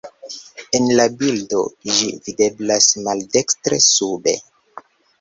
En la bildo ĝi videblas maldekstre sube.